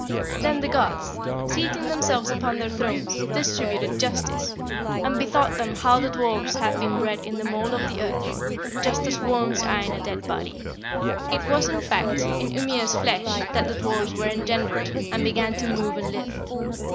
15. "Then the gods, seating themselves upon their thrones, distributed justice, and bethought them how the dwarfs had been bred in the mould of the earth, just as worms are in a dead body. It was, in fact, in Ymir's flesh that the dwarfs were engendered, and began to move and live.